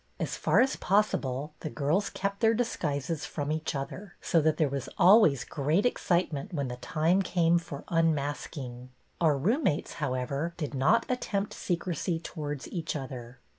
As far as possible the girls kept their disguises from each other, so that there was always great excitement when the time came for unmask ing. Our roommates, however, did not at temjDt secrecy towards each other.